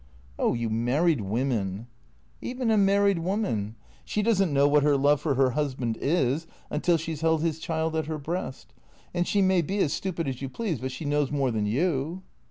" Oh, you married women !"" Even a married woman. She does n't know what her love for her husband is until she 's held his child at her breast. And she may be as stupid as you please; but she knows more than you."